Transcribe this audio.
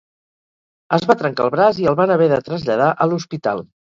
Es va trencar el braç i el van haver de traslladar a l'hospital.